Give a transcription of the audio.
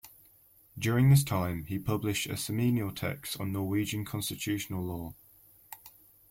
During this time, he published a seminal text on Norwegian constitutional law.